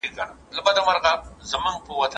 هغه خواړه چې ساده دي، ژر هضمېږي.